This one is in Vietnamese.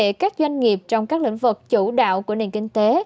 bảo vệ các doanh nghiệp trong các lĩnh vực chủ đạo của nền kinh tế